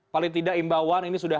paling tidak imbauan ini sudah